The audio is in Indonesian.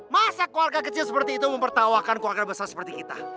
masa keluarga kecil seperti itu mempertawakan keluarga besar seperti kita